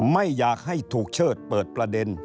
ไม่อยากให้ถูกเชิดเปิดประเด็น